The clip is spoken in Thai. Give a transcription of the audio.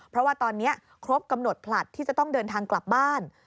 เพราะว่าตอนนี้ครบกำหนดผลัดที่จะต้องเดินทางกลับบ้าน